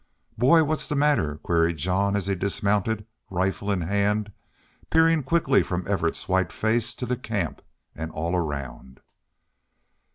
"Boy! what's the matter?" queried Jean, as he dismounted, rifle in hand, peering quickly from Evarts's white face to the camp, and all around.